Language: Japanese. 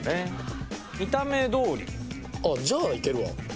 あっじゃあいけるわ。